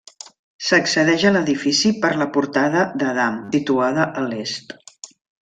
S'accedeix a l'edifici per la Portada d'Adam, situada a l'est.